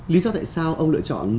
lý do tại sao ông lựa chọn